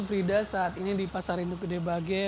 frida saat ini di pasar induk gede bage